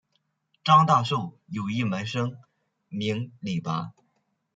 张大受的有一门生名李绂。